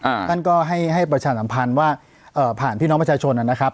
ท่านก็ให้ให้ประชาสัมพันธ์ว่าเอ่อผ่านพี่น้องประชาชนนะครับ